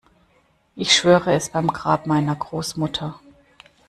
Ich schwöre es beim Grab meiner Großmutter.